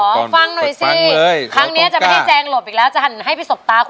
คือไรอะ